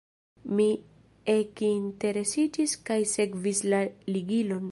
Mi ekinteresiĝis kaj sekvis la ligilon.